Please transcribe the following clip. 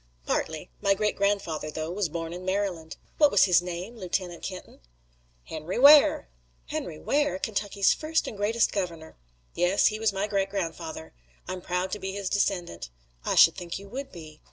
"Partly. My great grandfather, though, was born in Maryland." "What was his name, Lieutenant Kenton?" "Henry Ware!" "Henry Ware! Kentucky's first and greatest governor." "Yes, he was my great grandfather. I'm proud to be his descendant." "I should think you would be."